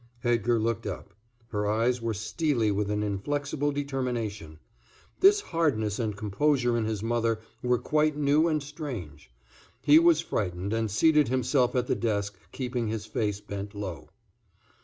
Edgar looked up. Her eyes were steely with an inflexible determination. This hardness and composure in his mother were quite new and strange. He was frightened, and seated himself at the desk, keeping his face bent low.